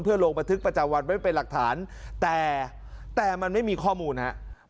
ลงบันทึกประจำวันไว้เป็นหลักฐานแต่แต่มันไม่มีข้อมูลนะครับ